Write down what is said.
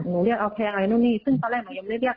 เรียกเอาแค่อะไรนู่นนี่ซึ่งตอนแรกหนูยังไม่ได้เรียก